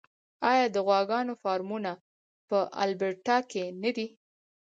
آیا د غواګانو فارمونه په البرټا کې نه دي؟